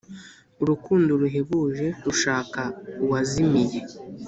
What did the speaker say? urukundo ruhebuje rushaka uwazimiye